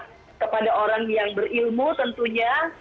kepada orang yang berilmu tentunya